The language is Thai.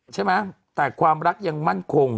ก็แบบเลือกลากันไปแล้ว